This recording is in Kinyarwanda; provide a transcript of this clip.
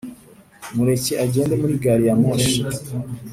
mureke agende muri gari ya moshi.